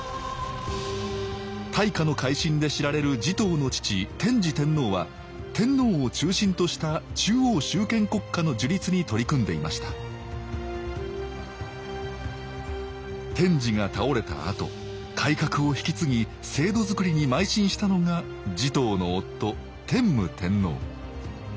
大化の改新で知られる持統の父天智天皇は天皇を中心とした中央集権国家の樹立に取り組んでいました天智が倒れたあと改革を引き継ぎ制度づくりにまい進したのが持統の夫天武天皇。